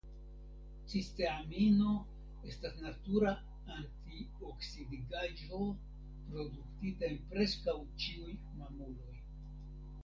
Cisteamino estas natura antioksidigaĵo produktita en preskaŭ ĉiuj mamuloj.